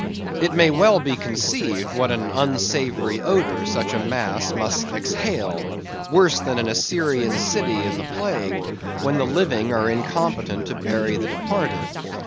It may well be conceived, what an unsavory odor such a mass must exhale; worse than an Assyrian city in the plague, when the living are incompetent to bury the departed.